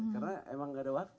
karena emang gak ada waktu